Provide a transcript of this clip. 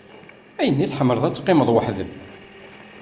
Ayɣer i tḥemmleḍ ad teqqimeḍ weḥd-m?